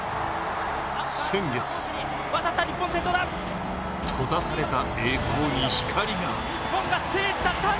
先月、閉ざされた栄光に光が。